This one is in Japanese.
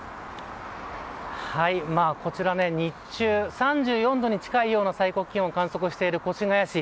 こちら、日中３４度に近いような最高気温を観測している越谷市。